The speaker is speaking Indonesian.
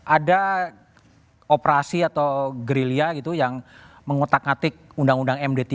ada operasi atau gerilya gitu yang mengotak atik undang undang md tiga